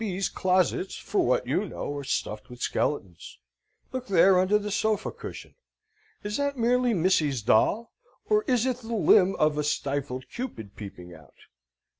B.'s closets for what you know are stuffed with skeletons. Look there under the sofa cushion. Is that merely Missy's doll, or is it the limb of a stifled Cupid peeping out?